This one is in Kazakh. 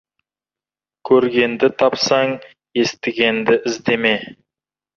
Көргенді тапсаң, естігенді іздеме.